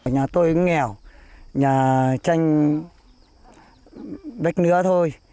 nhà tôi nghèo nhà tranh bách nứa thôi